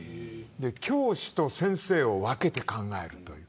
教師と先生を分けて考えるという。